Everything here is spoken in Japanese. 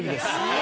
え